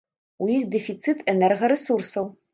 У іх дэфіцыт энергарэсурсаў.